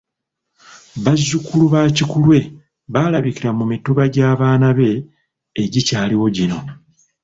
Bazzukulu ba Kikulwe balabikira mu Mituba gy'abaana be egikyaliwo gino.